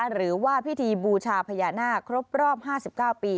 หรือว่าพิธีบูชาพญานาคครบรอบ๕๙ปี